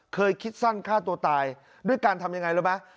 คิดสั้นฆ่าตัวตายด้วยการทำยังไงรู้ไหม